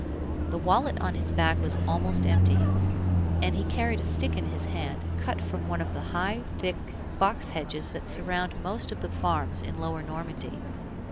The wallet on his back was almost empty, and he carried a stick in his hand, cut from one of the high, thick box hedges that surround most of the farms in Lower Normandy.